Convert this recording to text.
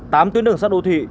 tám tuyến đường sắt đô thị